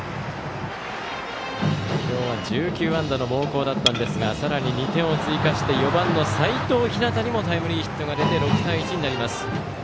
今日は１９安打の猛攻だったんですがさらに、２点を追加して４番の齋藤陽にもタイムリーヒットが出て６対１になります。